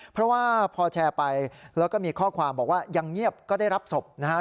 เพราะว่าพอแชร์ไปแล้วก็มีข้อความบอกว่ายังเงียบก็ได้รับศพนะฮะ